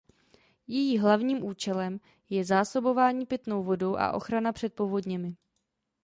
Její hlavním účelem je zásobování pitnou vodou a ochrana před povodněmi.